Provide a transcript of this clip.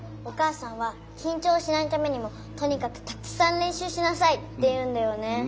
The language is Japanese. お母さんはきんちょうしないためにもとにかくたくさんれんしゅうしなさいって言うんだよね。